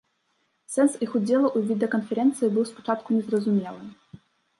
Сэнс іх удзелу ў відэаканферэнцыі быў спачатку незразумелы.